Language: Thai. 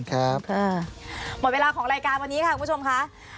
หมดเวลาของรายการวันนี้ค่ะคุณผู้ชมค่ะ